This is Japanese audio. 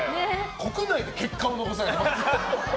国内で結果を残さないと。